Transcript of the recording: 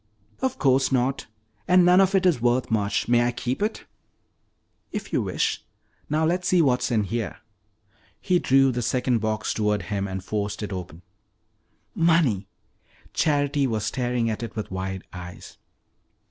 "Of course not! And none of it is worth much. May I keep it?" "If you wish. Now let's see what is in here." He drew the second box toward him and forced it open. "Money!" Charity was staring at it with wide eyes.